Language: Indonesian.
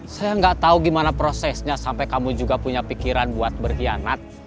saya gak tau gimana prosesnya sampai kamu juga punya pikiran buat berhianat